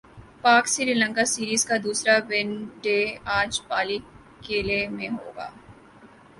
پاک سری لنکا سیریز کا دوسرا ون ڈے اج پالی کیلے میں ہوگا